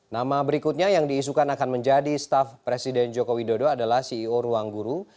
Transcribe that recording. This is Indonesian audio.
nama berikutnya yang diisukan akan menjadi staf presiden joko widodo adalah ceo ruangguru